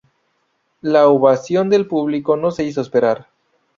La ovación del público no se hizo esperar.